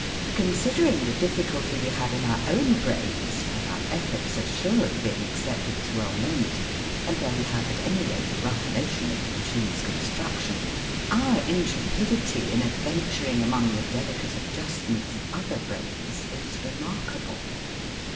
Considering the difficulty we have in our own brains, where our efforts are sure of being accepted as well meant, and where we have at any rate a rough notion of the machine's construction, our intrepidity in adventuring among the delicate adjustments of other brains is remarkable.